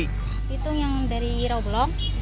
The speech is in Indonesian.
si pitung yang dari rawabelong